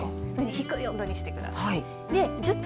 低い温度にしてください。